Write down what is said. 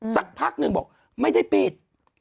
สักพักหนึ่งบอกไม่ได้ปิด